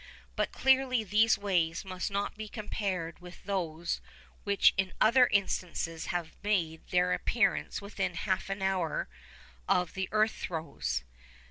But clearly these waves must not be compared with those which in other instances had made their appearance within half an hour of the earth throes.